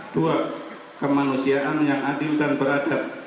dua kemanusiaan yang adil dan beradab